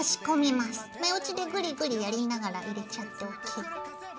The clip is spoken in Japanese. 目打ちでグリグリやりながら入れちゃってＯＫ。